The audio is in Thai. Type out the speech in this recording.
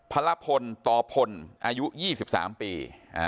พระละพลตพลอายุ๒๓ปี